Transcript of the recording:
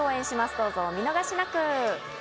どうぞお見逃しなく。